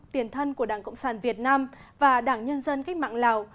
tiền thân của đảng cộng sản việt nam và đảng nhân dân cách mạng lào